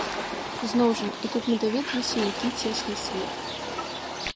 Зноў жа, і тут мы даведаліся, які цесны свет.